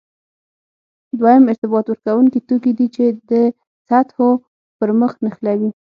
دویم ارتباط ورکوونکي توکي دي چې د سطحو پرمخ نښلوي.